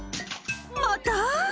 「また？